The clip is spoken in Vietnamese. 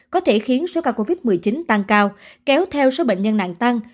có thể khiến số ca covid một mươi chín tăng cao kéo theo số bệnh nhân nặng tăng